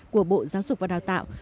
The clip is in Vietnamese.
của bộ giáo dục và đào tạo